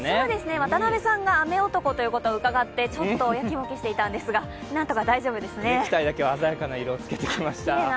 渡部さんが雨男と伺って、ちょっとやきもきしていたんですがネクタイ、鮮やかな色をつけてきました。